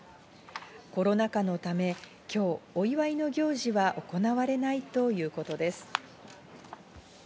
コロナ禍のため、今日、お祝いの行事は行われないということです。